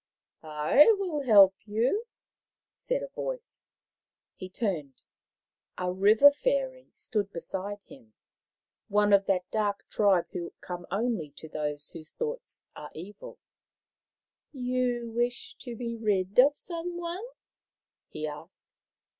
" 1 will help you," said a voice. He turned. A River fairy stood beside him, The Floating Island 227 one of that dark tribe who come only to those whose thoughts are evil. " You wish to be rid of some one ?" he asked.